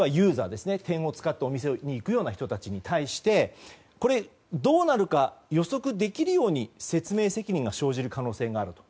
評価点を使ってお店に行くような人に対してどうなるか予測できるように説明責任が生じる可能性があると。